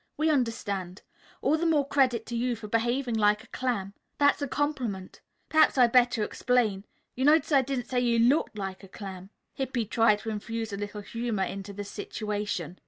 We understand. All the more credit to you for behaving like a clam. That's a compliment. Perhaps I had better explain. You notice I didn't say you looked like a clam." Hippy tried to infuse a little humor into the situation.